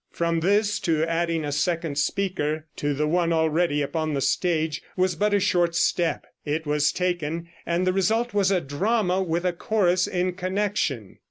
From this to adding a second speaker to the one already upon the stage was but a short step. It was taken, and the result was a drama with a chorus in connection.